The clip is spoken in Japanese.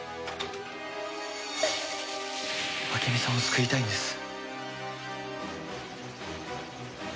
朱美さんを救いたいんです。